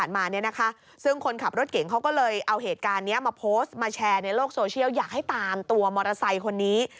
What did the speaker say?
มาโพสต์มาแชร์ในโลกโซเชียลอยากให้ตามตัวมอเตอร์ไซค์คนนี้